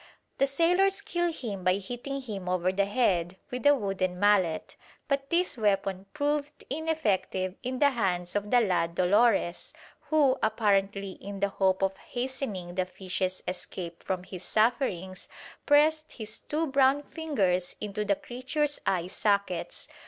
The sailors kill him by hitting him over the head with a wooden mallet; but this weapon proved ineffective in the hands of the lad Dolores, who, apparently in the hope of hastening the fish's escape from his sufferings, pressed his two brown fingers into the creature's eye sockets.